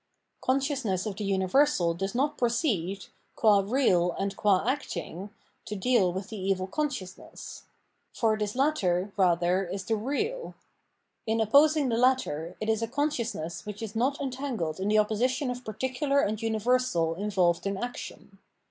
Consciousness of the universal does not proceed, qua red and qua acting, to deal with the evil Evil and Forgiveness 673 consciousness ; for this latter, rather, is the real. In opposing the latter, it is a consciousness which is not entangled in the opposition of particular and universal involved in action.